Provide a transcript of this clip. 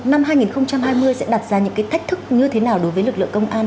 năm hai nghìn hai mươi sẽ đặt ra những thách thức như thế nào đối với lực lượng công an